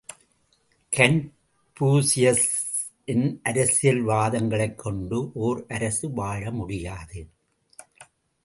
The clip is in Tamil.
கன்பூசியசின் அரசியல் வாதங்களைக் கொண்டு ஓர் அரசு வாழமுடியாது.